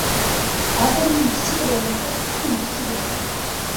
ئادەمنىڭ كىچىكى بولغۇچە، ئىتنىڭ كۈچۈكى بول.